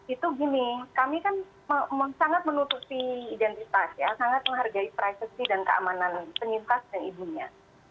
itu gini kami kan sangat menutupi identitas ya sangat menghargai privacy dan keamanan penyintas dan ibunya